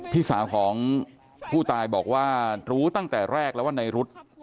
พี่สาวของผู้ตายบอกว่ารู้ตั้งแต่แรกแล้วว่าในรุธ